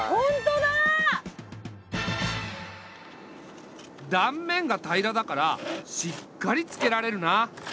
だんめんが平らだからしっかりつけられるな。